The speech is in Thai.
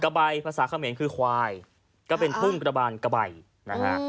ใบภาษาเขมรคือควายก็เป็นทุ่งกระบานกระใบนะฮะ